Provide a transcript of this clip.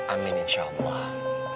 amin insya allah